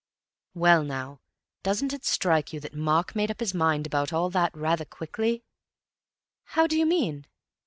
"Well, now, doesn't it strike you that Mark made up his mind about all that rather quickly?" "How do you mean?"